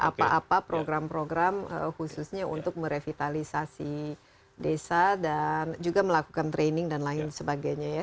apa apa program program khususnya untuk merevitalisasi desa dan juga melakukan training dan lain sebagainya ya